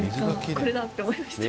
これだ！って思いました。